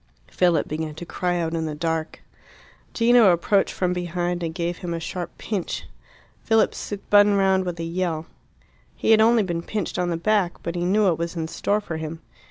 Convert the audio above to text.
Philip began to cry out in the dark. Gino approached from behind and gave him a sharp pinch. Philip spun round with a yell. He had only been pinched on the back, but he knew what was in store for him.